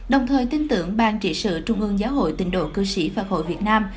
đồng thời tin tưởng bang trị sự trung ương giáo hội tịnh độ cư sĩ phật hội việt nam